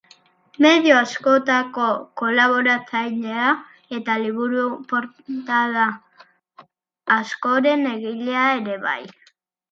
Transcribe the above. Medio askotako kolaboratzailea eta liburu-portada askoren egilea ere bai.